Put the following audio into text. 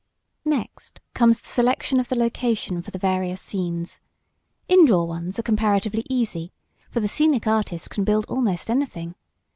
Next comes the selection of the location for the various scenes. Indoor ones are comparatively easy, for the scenic artist can build almost anything.